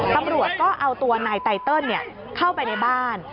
ตำรวจก็เอาตัวนายไตเติลเข้าไปในบ้าน